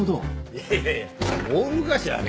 いやいやいやいや大昔はね